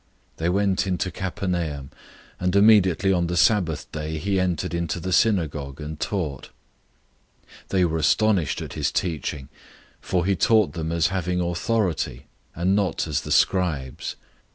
001:021 They went into Capernaum, and immediately on the Sabbath day he entered into the synagogue and taught. 001:022 They were astonished at his teaching, for he taught them as having authority, and not as the scribes.